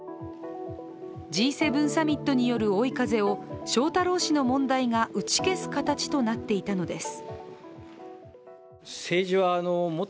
Ｇ７サミットによる追い風を翔太郎氏の問題が打ち消す形となっていたのです。